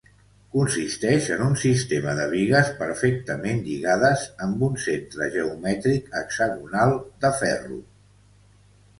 Consisteix en un sistema de bigues perfectament lligades amb un centre geomètric hexagonal de ferro.